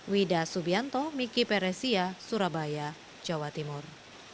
wida subianto miki peresia surabaya jawa timur